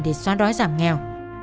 để xóa đói giảm nghèo